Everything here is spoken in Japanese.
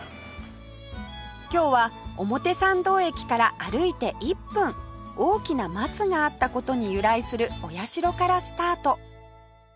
今日は表参道駅から歩いて１分大きな松があった事に由来するお社からスタート